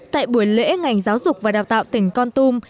tại buổi lễ ngành giáo dục và đào tạo tỉnh con tum